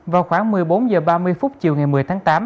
vào khoảng một mươi bốn h ba mươi phút chiều ngày một mươi tháng tám